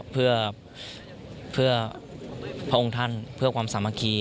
เพื่อพระองค์ท่านเพื่อความสามัคคี